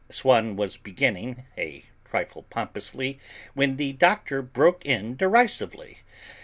Swann was beginning, a trifle pompously, when the Doctor broke in derisively.